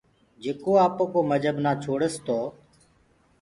جيڪو آپوڪو مجهب نآ ڇوڙس تو